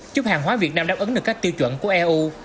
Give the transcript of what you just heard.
chúc hàng hóa việt nam đáp ứng được các tiêu chuẩn của eu